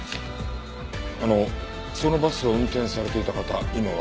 あのそのバスを運転されていた方今は？